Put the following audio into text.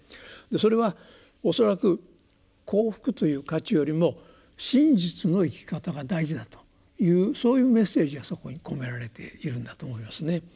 それは恐らく幸福という価値よりも真実の生き方が大事だというそういうメッセージがそこに込められているんだと思いますね。